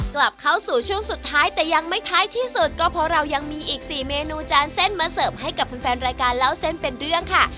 กลับเข้าสู่ช่วงสุดท้ายแต่ยังไม่ท้ายที่สุดก็เพราะเรายังมีอีก๔เมนูจานเส้นมาเสิร์ฟให้กับแฟนรายการเล่าเส้นเป็นเรื่องค่ะ